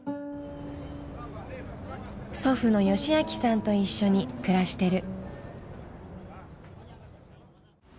祖父のヨシアキさんと一緒に暮らしてる。